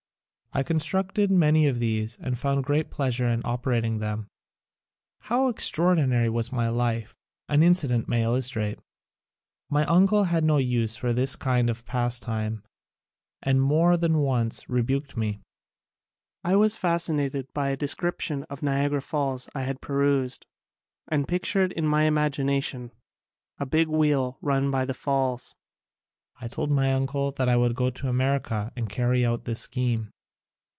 I constructed many of these and found great pleasure in operating them. How extra ordinary was my life an incident may il lustrate. My uncle had no use for this kind of pastime and more than once re buked me. I was fascinated by a descrip tion of Niagara Falls I had perused, and pictured in my imagination a big wheel run by the Falls. I told my uncle that I would go to America and carry out this scheme.